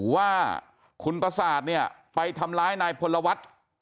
ว่าคุณประสาทเนี่ยไปทำร้ายนายพลวัฒน์